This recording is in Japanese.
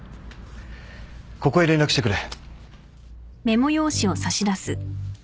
ここへ連絡してくれ。